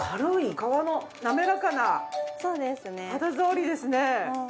皮の滑らかな肌触りですね。